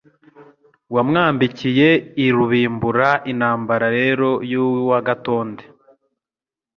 Wa mwambikiye i Rubimbura intambara rero y'uwa Gatonde,